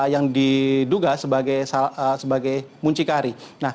yang diduga sebagai muncikari